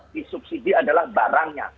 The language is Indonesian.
disubsidi adalah barangnya